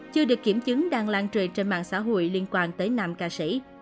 chưa được kiểm chứng đang lan truyền trên mạng xã hội liên quan tới nam ca sĩ